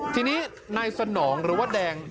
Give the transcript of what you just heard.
ทีนี้นายสนองหรือว่าแดง